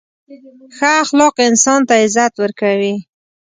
• ښه اخلاق انسان ته عزت ورکوي.